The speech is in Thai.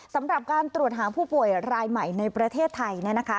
สำหรับการตรวจหาผู้ป่วยรายใหม่ในประเทศไทยเนี่ยนะคะ